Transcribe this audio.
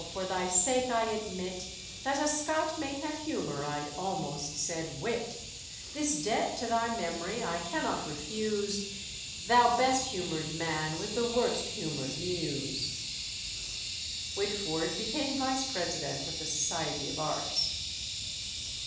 for thy sake I admit That a Scot may have humour I'd almost said wit; This debt to thy memory I cannot refuse, Thou best humour'd man with the worst humour'd Muse." Whitefoord became Vice President of the Society of Arts.